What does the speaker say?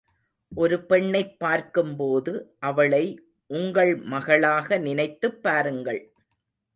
ஒரு பெண்ணைப் பார்க்கும்போது, அவளை உங்கள் மகளாக நினைத்துப் பாருங்கள்.